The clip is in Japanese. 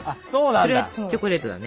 それはチョコレートだね。